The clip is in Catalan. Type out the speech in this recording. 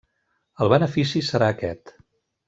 El benefici serà aquest.